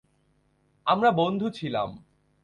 আমরা বন্ধু ছিলাম।